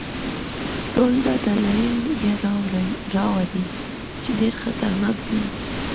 ټول دا دلایل یې راوړي چې ډېر خطرناک دی.